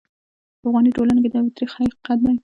په افغاني ټولنه کې دا یو ترخ حقیقت دی.